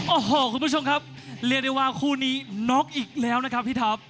โอ้โหคุณผู้ชมครับเรียกได้ว่าคู่นี้น็อกอีกแล้วนะครับพี่ท็อป